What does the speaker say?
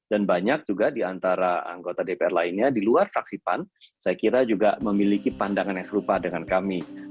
dan banyak juga di antara anggota dpr lainnya di luar fraksipan saya kira juga memiliki pandangan yang serupa dengan kami